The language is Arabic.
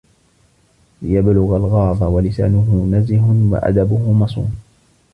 لِيَبْلُغَ الْغَرَضَ وَلِسَانُهُ نَزِهٌ وَأَدَبُهُ مَصُونٌ